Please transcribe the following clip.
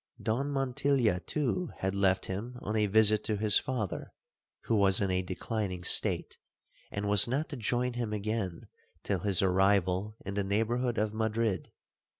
Don Montilla, too, had left him on a visit to his father, who was in a declining state, and was not to join him again till his arrival in the neighbourhood of Madrid.